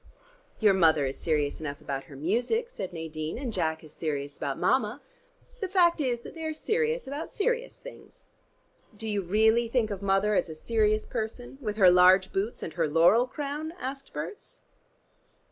"Your mother is serious enough about her music," said Nadine. "And Jack is serious about Mama. The fact is that they are serious about serious things." "Do you really think of Mother as a serious person with her large boots and her laurel crown?" asked Berts.